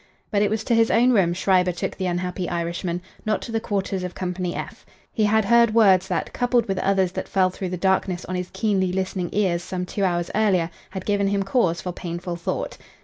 But it was to his own room Schreiber took the unhappy Irishman, not to the quarters of Company "F." He had heard words that, coupled with others that fell through the darkness on his keenly listening ears some two hours earlier, had given him cause for painful thought.